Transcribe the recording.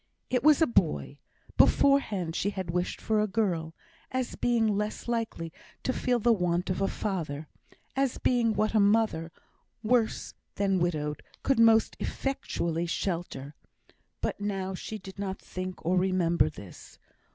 It was a boy; beforehand she had wished for a girl, as being less likely to feel the want of a father as being what a mother, worse than widowed, could most effectually shelter. But now she did not think or remember this.